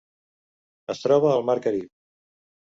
Es troba al Mar Carib.